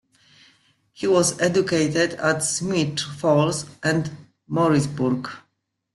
He was educated at Smiths Falls and Morrisburg.